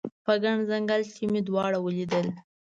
په ګڼ ځنګل کې مې دواړه ولیدل